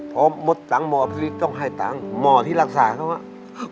เพราะหมดปัญญาหมออภิริตต้องให้ตังค์หมอที่รักษาต้อง